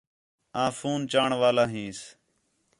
آں فون چاݨ والا ہینس